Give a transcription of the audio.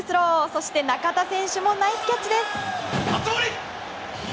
そして中田選手もナイスキャッチです！